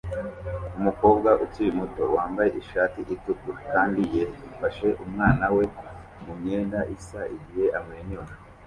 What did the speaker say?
Umukobwa ukiri muto wambaye ishati itukura kandi yera ifashe umwana we mumyenda isa igihe amwenyura